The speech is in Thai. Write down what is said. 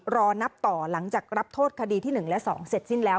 รอนับต่อหลังจากรับโทษคดีที่๑และ๒เสร็จสิ้นแล้ว